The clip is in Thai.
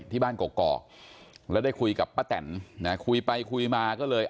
ที่บ้านกอกแล้วได้คุยกับป้าแตนนะคุยไปคุยมาก็เลย